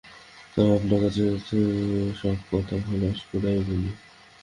তবে আপনার কাছে সব কথা খোলসা করিয়াই বলি।